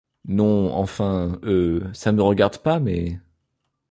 Non… enfin… euh… ça me regarde pas mais…